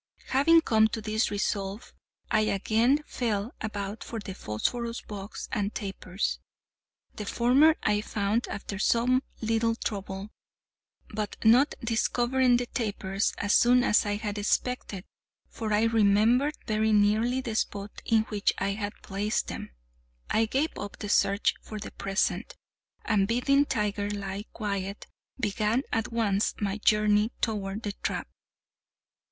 Having come to this resolve, I again felt about for the phosphorus box and tapers. The former I found after some little trouble; but, not discovering the tapers as soon as I had expected (for I remembered very nearly the spot in which I had placed them), I gave up the search for the present, and bidding Tiger lie quiet, began at once my journey toward the trap.